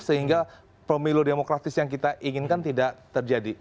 sehingga pemilu demokratis yang kita inginkan tidak terjadi